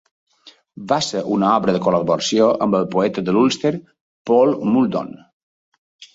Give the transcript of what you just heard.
Va ser una obra de col·laboració amb el poeta de l'Ulster Paul Muldoon.